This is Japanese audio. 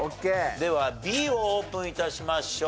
ではＢをオープン致しましょう。